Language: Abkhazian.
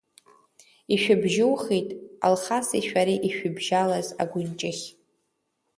Ишәыбжьухит Алхаси шәареи ишәыбжьалаз агәынҷыхь.